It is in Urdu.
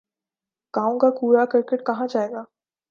گاؤں کا کوڑا کرکٹ کہاں جائے گا۔